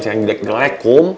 saya yang jelek jelek kum